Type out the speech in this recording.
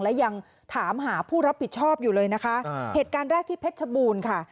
และยังถามหาผู้รับผิดชอบอยู่เลยนะคะเหตุการณ์แรกที่เพชรชบูรณ์ค่ะ